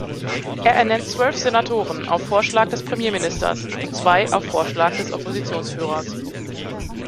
Er ernennt zwölf Senatoren auf Vorschlag des Premierministers und zwei auf Vorschlag des Oppositionsführers.